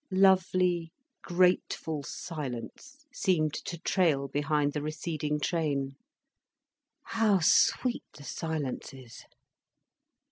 Lovely, grateful silence seemed to trail behind the receding train. How sweet the silence is!